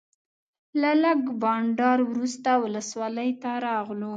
له لږ بانډار وروسته ولسوالۍ ته راغلو.